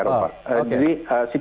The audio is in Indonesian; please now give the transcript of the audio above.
bukan who ini studi di eropa